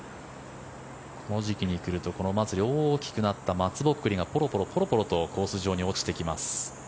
この時期に来ると大きくなった松ぼっくりがポロポロとコース上に落ちてきます。